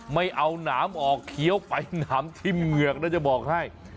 ไม่เอาน้ำออกเขี้ยวไปน้ำที่เมือกน่าจะบอกให้